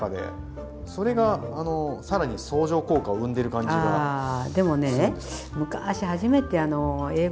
それがさらに相乗効果を生んでる感じがするんです。